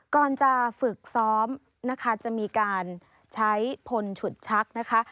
ก่อนจะฝึกซ้อมนะคะจะมีการใช้พลฉุดชักนะคะ